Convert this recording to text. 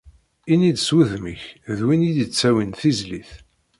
Ini-d s wudem-ik d win d-yettawin tizlit.